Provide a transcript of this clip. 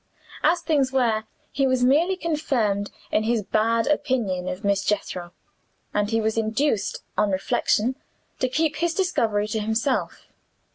As things were, he was merely confirmed in his bad opinion of Miss Jethro; and he was induced, on reflection, to keep his discovery to himself.